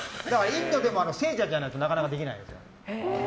インドでも聖者じゃないとなかなかできないです。